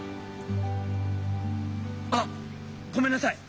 あごめんなさい！